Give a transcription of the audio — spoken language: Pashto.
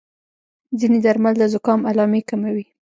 ځینې درمل د زکام علامې کموي.